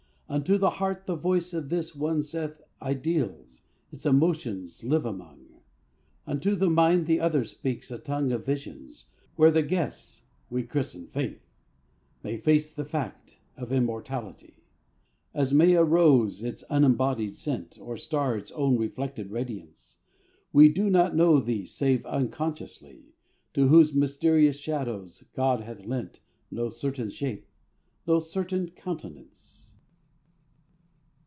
Unto the heart the voice of this one saith Ideals, its emotions live among; Unto the mind the other speaks a tongue Of visions, where the guess, we christen faith, May face the fact of immortality As may a rose its unembodied scent, Or star its own reflected radiance. We do not know these save unconsciously. To whose mysterious shadows God hath lent No certain shape, no certain countenance.